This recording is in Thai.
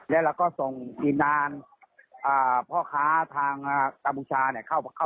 แล้วเราก็ส่งทีมงานพ่อค้าทางกัมพูชาเนี่ย